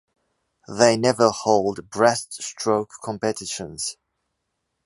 They never hold breaststroke competitions.